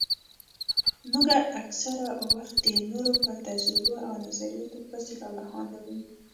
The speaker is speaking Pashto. موږ اکثره وخت د نورو په تجربو او نظرياتو پسې لالهانده وو.